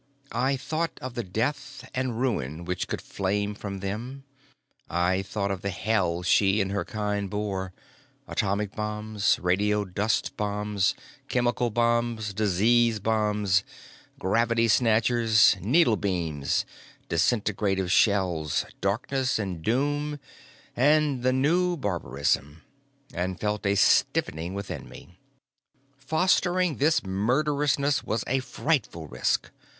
I thought of the death and the ruin which could flame from them, I thought of the hell she and her kind bore atomic bombs, radiodust bombs, chemical bombs, disease bombs, gravity snatchers, needle beams, disintegrative shells, darkness and doom and the new barbarism and felt a stiffening within me. Fostering this murderousness was a frightful risk.